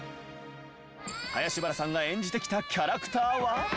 林原さんが演じてきたキャラクターは。